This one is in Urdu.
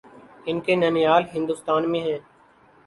ان کے ننھیال ہندوستان میں ہیں۔